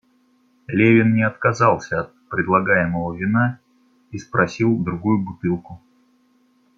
Левин не отказался от предлагаемого вина и спросил другую бутылку.